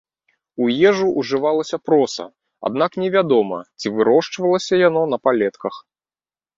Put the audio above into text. У ежу ўжывалася проса, аднак не вядома, ці вырошчвалася яно на палетках.